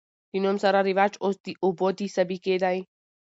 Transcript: د نوم سره رواج اوس د ابو د سابقې دے